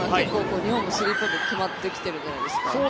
日本も結構スリーポイント決まってきてるじゃないですか。